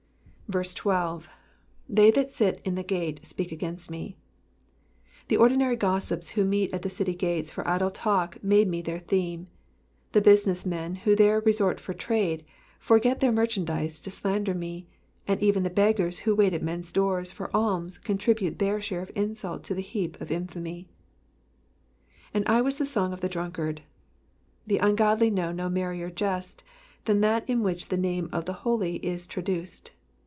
12. ^^ They that sit in the gate speak against me.'*'* Tne ordinary gossips who meet at the city gates for idle talk make me their theme, the business men who there resort for trade forget their merchandise to slander me, and even the beggars who wait at men's doors for alms contribute their share of insult to the heap of infamy. ^■''And I was the song of the drunkard.'''' The ungodly know no merrier jest than that in which the name of the holy is traduced.